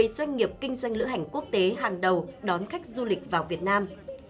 một mươi doanh nghiệp kinh doanh lữ hành quốc tế hàng đầu đón khách du lịch vào việt nam